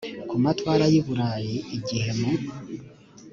ku matwara y i burayi igihe mu